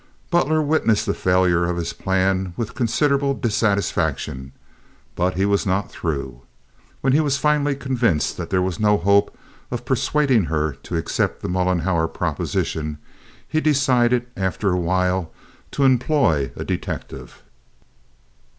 Butler witnessed the failure of his plan with considerable dissatisfaction, but he was not through. When he was finally convinced that there was no hope of persuading her to accept the Mollenhauer proposition, he decided, after a while, to employ a detective.